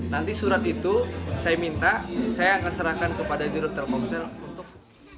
nanti surat itu saya minta saya akan serahkan kepada direktur telkomsel untuk